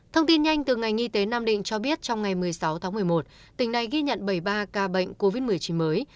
thông tin nhanh từ ngành y tế nam định cho biết trong ngày một mươi sáu tháng một mươi một tỉnh này ghi nhận bảy mươi ba ca bệnh covid một mươi chín mới